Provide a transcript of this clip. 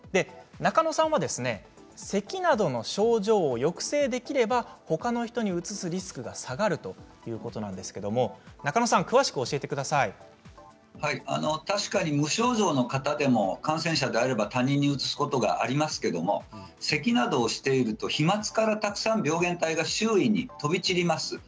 中野さんはせきなどの症状を抑制できればほかの人にうつすリスクが下がるということなんですけれども確かに無症状の方でも感染者であれば、他人にうつすことがありますけれどもせきなどをしていると飛まつからたくさん病原体が周囲に飛び散ります。